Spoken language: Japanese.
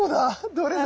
どれだ？